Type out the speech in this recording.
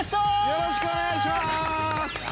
◆よろしくお願いします。